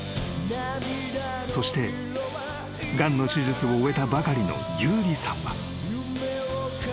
［そしてがんの手術を終えたばかりの勇梨さんは］